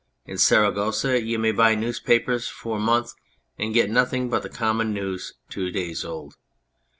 In Saragossa you may buy newspapers for a month and get nothing but the common news., two days old.